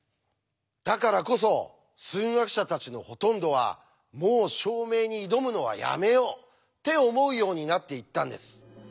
だからこそ数学者たちのほとんどはもう証明に挑むのはやめようって思うようになっていったんです。